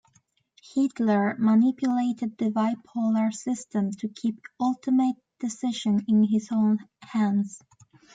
Hitler manipulated the bipolar system to keep ultimate decisions in his own hands.